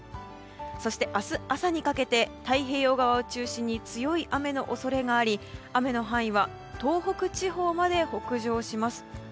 そして、明日朝にかけて太平洋側を中心に強い雨の恐れがあり雨の範囲は東北地方まで北上します。